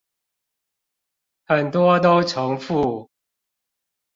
很多都重複